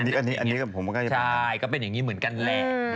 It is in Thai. ใช่ป่ะประมาณนั้นนะใช่ก็เป็นอย่างนี้เหมือนกันแหละ